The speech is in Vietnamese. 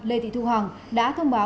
lê thị thu hằng đã thông báo